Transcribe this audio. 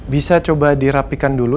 bisa coba dirapikan dulu